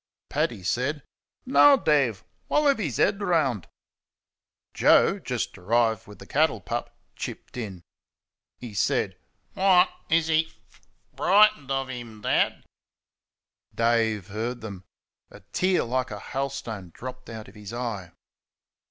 Paddy said: "NOW, Dave, while I've 'is 'ead round." Joe (just arrived with the cattle pup) chipped in. He said: "Wot, is he fuf fuf fuf f rikent of him, Dad?" Dave heard them. A tear like a hailstone dropped out of his eye.